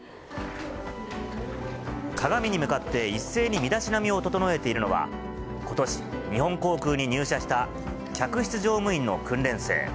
鏡に向かって一斉に身だしなみを整えているのは、ことし、日本航空に入社した客室乗務員の訓練生。